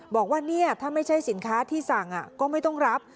บอกว่าเนี่ยถ้าไม่ใช่สินค้าที่สั่งก็ไม่ต้องรับ